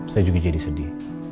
saya juga jadi sedih